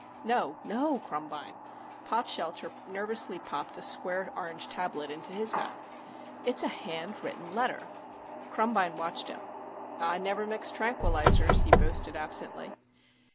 "No, no, Krumbine." Potshelter nervously popped a square orange tablet into his mouth. "It's a hand written letter." Krumbine watched him. "I never mix tranquilizers," he boasted absently.